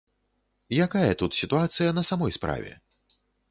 Якая тут сітуацыя на самой справе?